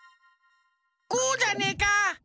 こうじゃねえか？